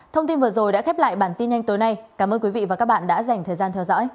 thông tin vừa rồi đã khép lại bản tin nhanh tối nay cảm ơn quý vị và các bạn đã dành thời gian theo dõi